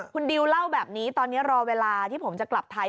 คุณดิวเล่าแบบนี้ตอนนี้รอเวลาที่ผมจะกลับไทย